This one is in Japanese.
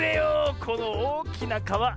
このおおきなかわ！